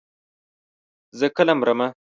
زه کله مرمه.